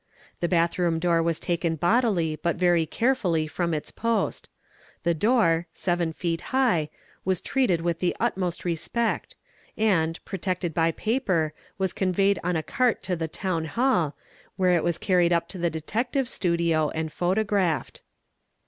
The bathroom door was taken bodily but very carefully from its post. The door (seven feet high) was treated with the utmost respect, and, protected by paper, was conveyed on a cart to the town hall, where it was carried up to the detective studio and ; photographed.